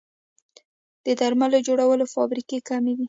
د درملو جوړولو فابریکې کمې دي